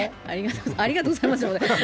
ありがとうございます。